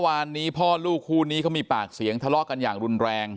วันนี้พ่อลูกคู่นี้เขามีปากเสียงทะเลาะกันอย่างรุนแรง